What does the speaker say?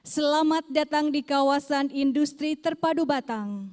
selamat datang di kawasan industri terpadu batang